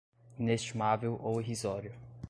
inestimável ou irrisório